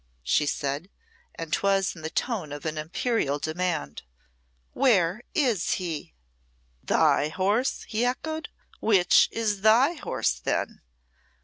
she said, and 'twas in the tone of an imperial demand. "Where is he?" "Thy horse!" he echoed. "Which is thy horse then?"